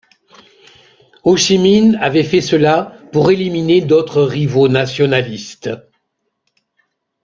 Hô Chi Minh avait fait cela pour éliminer d'autres rivaux nationalistes.